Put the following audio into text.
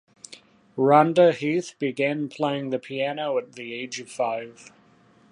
Rhonda Heath began playing the piano at the age of five.